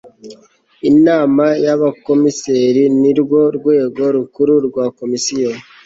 inama y abakomiseri ni rwo rwego rukuru rwa komisiyo